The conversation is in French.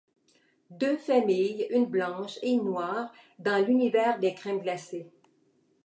Deux familles, une blanche et une noire, dans l'univers des crèmes glacées.